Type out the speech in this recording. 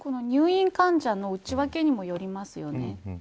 入院患者の内訳にもよりますよね。